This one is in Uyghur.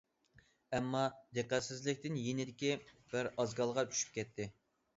ئەمما دىققەتسىزلىكىدىن يېنىدىكى بىر ئازگالغا چۈشۈپ كەتتى.